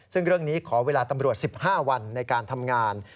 ซึ่งเรื่องนี้ขอเวลาตำรวจ๑๕วันในการทำงาน